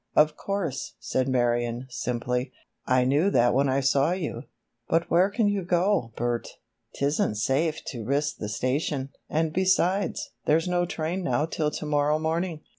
"Of course," said Marion, simply, "I knew that when I saw you, but where can you go, Bert? 'Tisn't safe to risk the station, and besides, there's no train now 'til to morrow morning."